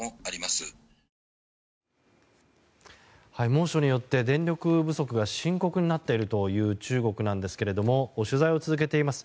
猛暑によって電力不足が深刻になっているという中国なんですけれども取材を続けています